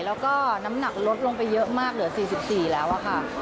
แล้วก็น้ำหนักลดลงไปเยอะมากเหลือ๔๔แล้วค่ะ